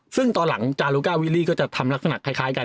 ซึ่งตอนหลังจารุก้าวิลลี่ก็จะทำลักษณะคล้ายกัน